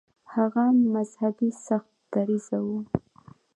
هغه مذهبي سخت دریځه و.